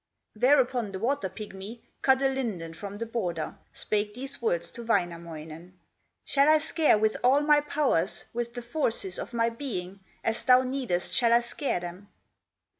Thereupon the water pigmy Cut a linden from the border, Spake these words to Wainamoinen: "Shall I scare with all my powers, With the forces of my being, As thou needest shall I scare them?"